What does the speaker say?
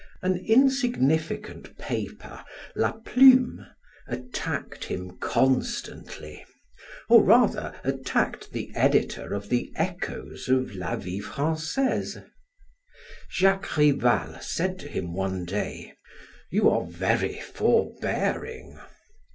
An insignificant paper, "La Plume," attacked him constantly, or rather attacked the editor of the "Echoes" of "La Vie Francaise." Jacques Rival said to him one day: "You are very forbearing."